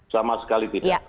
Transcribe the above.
sama sekali tidak